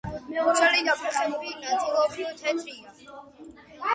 მუცელი და ფეხები ნაწილობრივ თეთრია.